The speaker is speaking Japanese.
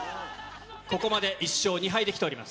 ここまで１勝２敗できております。